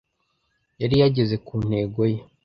Yari yageze ku ntego ye.